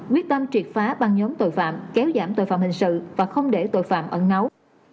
quyết tâm triệt phá băng nhóm tội phạm kéo giảm tội phạm hình sự và không để tội phạm ẩn nấu